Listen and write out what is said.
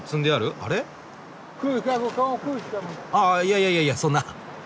ああいやいやいやいやそんな。